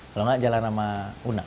kalo enggak jalan sama una